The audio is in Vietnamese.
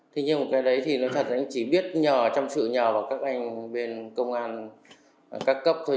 thế nhưng cái đấy thì nói thật là anh chỉ biết nhờ trong sự nhờ vào các anh bên công an các cấp thôi